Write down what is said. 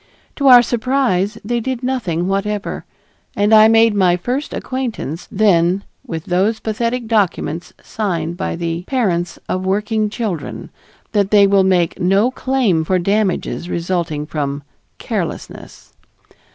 To our surprise they did nothing whatever, and I made my first acquaintance then with those pathetic documents signed by the parents of working children, that they will make no claim for damages resulting from "carelessness."